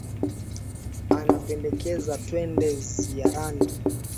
Anapendekeza twende ziarani